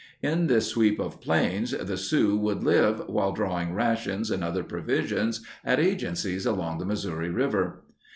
In this sweep of plains the Sioux would live while drawing rations and other provisions at agencies along the Missouri River.